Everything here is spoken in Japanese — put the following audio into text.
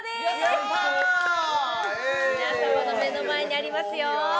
皆様の目の前にありますよ